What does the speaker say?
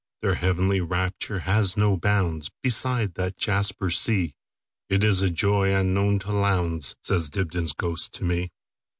Their heavenly rapture has no boundsBeside that jasper sea; It is a joy unknown to Lowndes,"Says Dibdin's ghost to me.